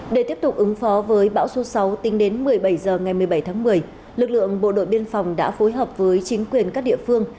để tiếp tục ứng phó với bão số sáu tính đến một mươi bảy h ngày một mươi bảy tháng một mươi lực lượng bộ đội biên phòng đã phối hợp với chính quyền các địa phương